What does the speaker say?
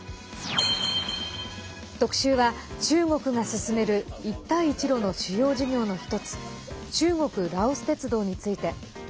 特集は、中国が進める一帯一路の主要事業の１つ中国ラオス鉄道について。